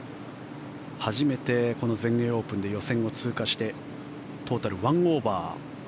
初めて、この全英オープンで予選を通過してトータル１オーバー。